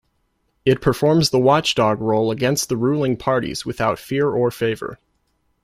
It performs the watchdog role against the ruling parties without fear or favor.